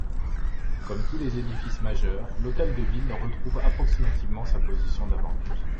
Comme tous les édifices majeurs, l’hôtel de ville retrouve approximativement sa position d’avant-guerre.